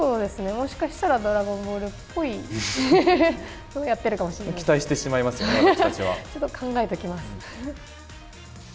もしかしたら、ドラゴンボールっぽいのをやってるかもしれないで期待してしまいますよ、ちょっと考えておきます。